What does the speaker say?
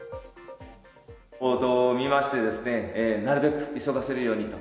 報道を見まして、なるべく急がせるようにと。